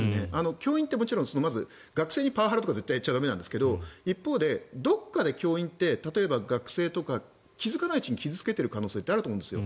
教員ってもちろん学生にパワハラとか絶対にやっちゃ駄目なんですけど一方でどこかで教員って例えば学生とか気付かないうちに傷付けている可能性ってあるんですよね。